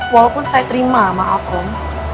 walaupun saya terima maaf rom